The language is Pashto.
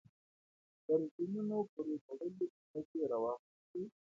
پر زينونو پورې تړلې ټوپکې يې را واخيستې.